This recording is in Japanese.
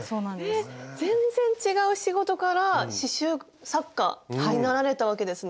全然違う仕事から刺しゅう作家になられたわけですね。